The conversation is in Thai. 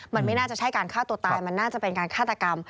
มันไม่น่าจะใช่การฆ่าตัวตายมันน่าจะเป็นการฆาตกรรม